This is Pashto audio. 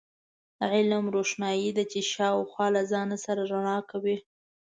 علم، روښنایي ده چې شاوخوا له ځان سره رڼا کوي.